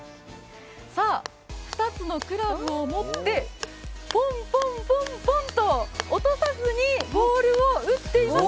２つのクラブを持ってポンポンポンと落とさずにボールを打っています。